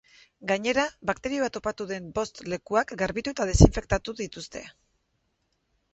Gainera, bakterioa topatu den bost lekuak garbitu eta desinfektatu dituzte.